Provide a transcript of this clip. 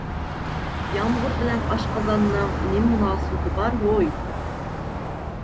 يامغۇر بىلەن ئاشقازاننىڭ نېمە مۇناسىۋىتى بار ھوي؟